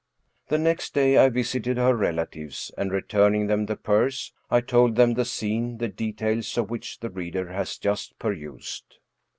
The next day I visited her relatives, and, returning them the purse, I told them the scene the details of which the reader has just perused.